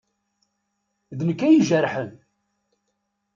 D nekk ay ijerḥen.